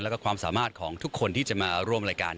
แล้วก็ความสามารถของทุกคนที่จะมาร่วมรายการ